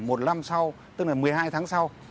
một năm sau tức là một mươi hai tháng sau